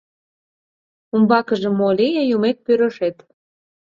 Умбакыже мо лие — юмет-пӱрышет!